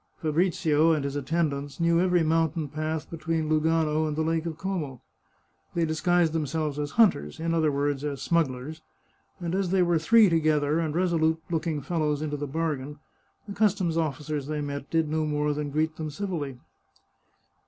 Fabrizio and his attendants knew every mountain path between Lugano and the Lake of Como. They disguised themselves as hunters — in other words, as smugglers — and as they were three together, and resolute looking fellows into the bargain, the customs officers they met did no more than greet them civilly.